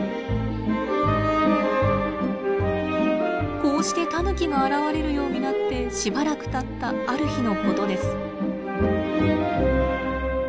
こうしてタヌキが現れるようになってしばらくたったある日のことです。